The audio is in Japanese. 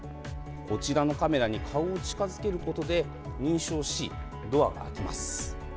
こちらのカメラに顔を近づけることで認証し、ドアが開きます。